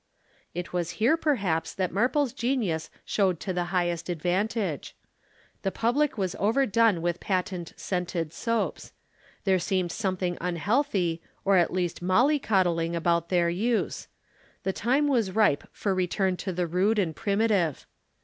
It was here, perhaps, that Marple's genius showed to the highest advantage. The public was overdone with patent scented soaps; there seemed something unhealthy or at least molly coddling about their use; the time was ripe for return to the rude and primitive.